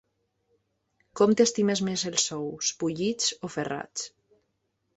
Com t'estimes més les ous, bullits o ferrats?